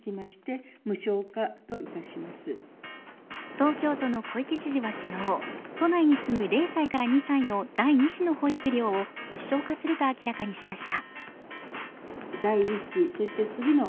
東京都の小池知事は昨日、都内に住む０歳から２歳の第２子の保育料を無償化すると明らかにしました。